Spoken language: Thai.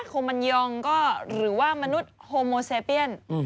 โคมันยองก็หรือว่ามนุษย์โฮโมเซเปียน